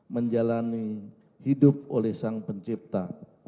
menjalani hidup oleh sang pencipta